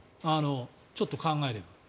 ちょっと考えれば。